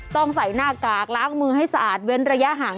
ต้องใส่หน้ากากล้างมือให้สะอาดเว้นระยะห่าง